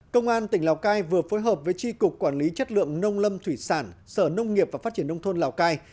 công an tỉnh lào cai vừa phối hợp với tri cục quản lý chất lượng nông lâm thủy sản sở nông nghiệp và phát triển nông thôn lào cai